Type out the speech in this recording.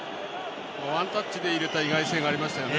ワンタッチで入れた意外性がありましたよね。